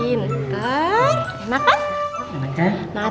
pintar enak kan